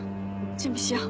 準備しよう。